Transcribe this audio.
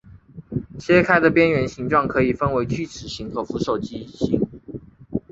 切开的边缘形状可以分为锯齿形和扶手椅形。